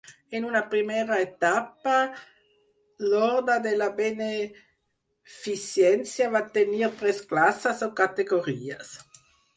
En una primera etapa, l'Orde de la Beneficència va tenir tres classes o categories.